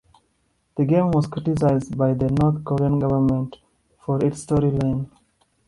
The game was criticized by the North Korean government for its storyline.